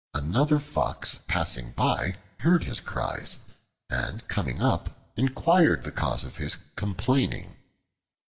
Another Fox passing by heard his cries, and coming up, inquired the cause of his complaining.